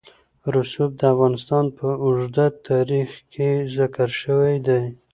رسوب د افغانستان په اوږده تاریخ کې ذکر شوی دی.